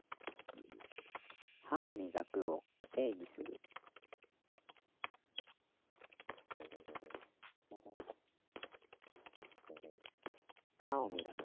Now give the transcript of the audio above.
「歯をみがく」を定義する「歯をみがく」